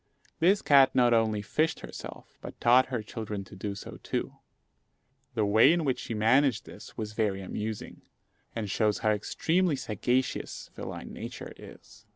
This cat not only fished herself, but taught her children to do so too. The way in which she managed this was very amusing, and shows how extremely sagacious feline nature is.